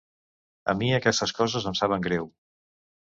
A mi aquestes coses em saben greu.